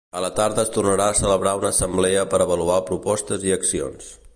A la tarda es tornarà a celebrar una assemblea per avaluar propostes i accions.